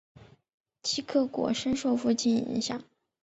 齐克果深受父亲影响。